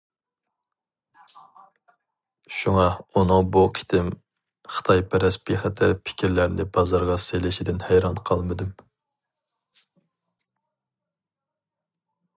شۇڭا ئۇنىڭ بۇ قېتىم خىتايپەرەس بىخەتەر پىكىرلەرنى بازارغا سېلىشىدىن ھەيران قالمىدىم.